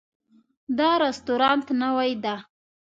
دا رستورانت نوی ده